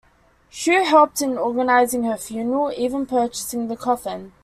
Shew helped in organizing her funeral, even purchasing the coffin.